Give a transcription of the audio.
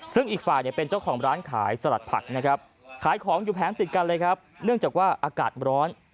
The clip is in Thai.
ซึ่งอีกฝ่ายเนี่ยเป็นเจ้าของร้านขายสลัดผักนะครับขายของอยู่แผงติดกันเลยครับเนื่องจากว่าอากาศร้อน